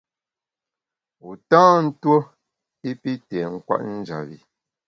Wu tâ ntuo i pi tê nkwet njap bi.